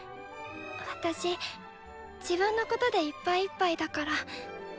私自分のことでいっぱいいっぱいだから尊敬します。